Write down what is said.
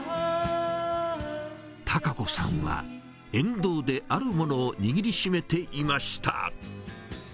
貴子さんは、沿道であるものを握りしめていました。